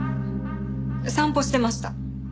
散歩してました。